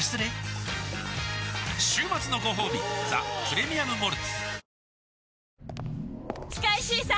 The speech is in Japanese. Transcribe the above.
週末のごほうび「ザ・プレミアム・モルツ」